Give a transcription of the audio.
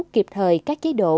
kịp thời các chế độ